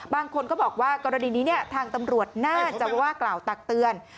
บางคนก็บอกว่ากรณีนี้ทางตำรวจน่าจะว่ากล่าวตักเตือน